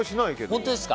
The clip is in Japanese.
本当ですか。